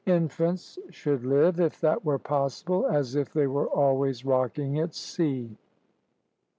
infants should live, if that were possible, as if they were always rocking at sea.